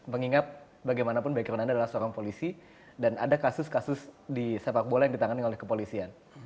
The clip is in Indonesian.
mengingat bagaimanapun background anda adalah seorang polisi dan ada kasus kasus di sepak bola yang ditangani oleh kepolisian